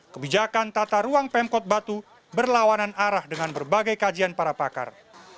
kebijakan tata ruang pemkot batu berlawanan arah dengan berbagai kajian para pakar